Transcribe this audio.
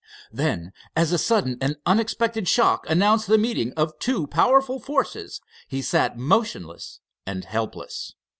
Then, as a sudden and unexpected shock announced the meeting of two powerful forces, he sat motionless and helpless.